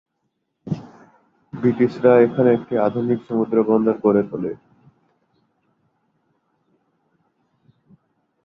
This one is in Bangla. ব্রিটিশরা এখানে একটি আধুনিক সমুদ্র বন্দর গড়ে তোলে।